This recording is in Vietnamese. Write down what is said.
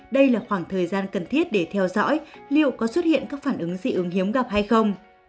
đây là khoảng thời gian cần thiết để theo dõi liệu có xuất hiện các phản ứng dị ứng hiếm gặp hay không